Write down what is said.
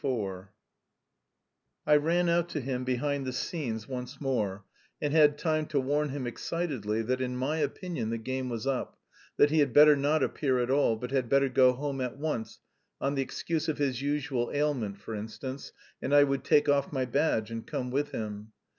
IV I ran out to him behind the scenes once more, and had time to warn him excitedly that in my opinion the game was up, that he had better not appear at all, but had better go home at once on the excuse of his usual ailment, for instance, and I would take off my badge and come with him.